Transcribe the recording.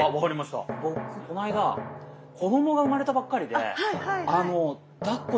僕この間子供が生まれたばっかりで。